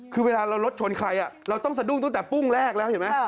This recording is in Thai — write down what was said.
คือเวลาเรารถชนใครเราต้องสะดุ้งตั้งแต่ปุ้งแรกแล้วเห็นไหม